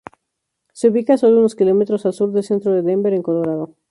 Se ubica a solo unos kilómetros al sur del centro de Denver, en Colorado.